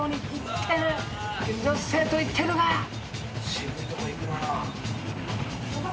・渋いとこ行くなぁ。